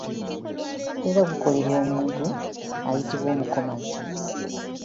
Era gukolebwa omuntu ayitibwa omukomazi.